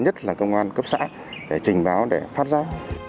nhất là công an cấp xã để trình báo để phát giác